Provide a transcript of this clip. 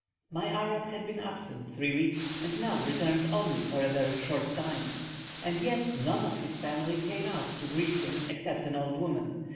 My Arab had been absent three weeks, and now returned only for a very short time; and yet none of his family came out to greet him except an old woman.